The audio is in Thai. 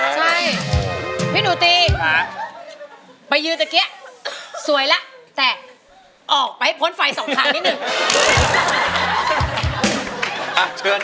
ใช่พี่หนูตีไปยืนเมื่อกี้สวยแล้วแต่ออกไปให้พ้นไฟสองทางนิดนึง